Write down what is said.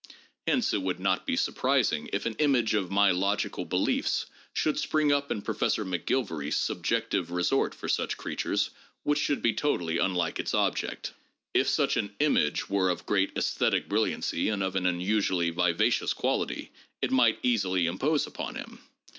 Hence it would not be surprising if an image of my logical beliefs should spring up in Professor McGilvary's subjective resort for such creatures which should be totally unlike its object. If such an ' image ' were of great aesthetic brilliancy and of an unusually vivacious quality, it might easily impose upon him.